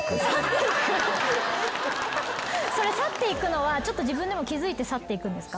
去っていくのは自分でも気付いて去っていくんですか？